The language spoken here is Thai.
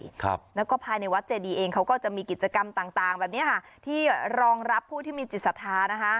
ครับแล้วก็ภายในวัดเจดีเองเขาก็จะมีกิจกรรมต่างต่างแบบเนี้ยค่ะที่รองรับผู้ที่มีจิตศรัทธานะคะ